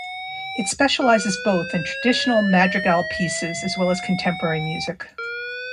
It specializes both in traditional madrigal pieces as well as contemporary music.